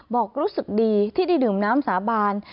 บอกรู้สึกดีที่ได้ดื่มน้ำสาบาน